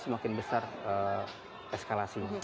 semakin besar eskalasi